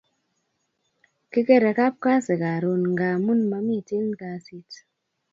Kikere kapkasi karon ngamun mamiten kasit